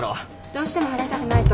どうしても払いたくないと？